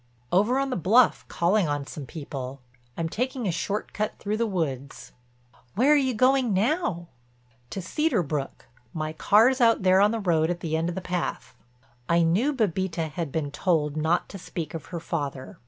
"Over on the bluff, calling on some people. I'm taking a short cut through the woods." "Where are you going now?" "To Cedar Brook. My car's out there on the road at the end of the path." I knew Bébita had been told not to speak of her father.